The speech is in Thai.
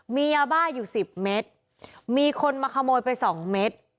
มียาบ้าอยู่สิบเม็ดมีคนมาขโมยไปสองเม็ด